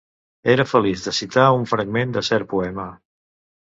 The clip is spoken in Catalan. Era feliç de citar un fragment de cert poema.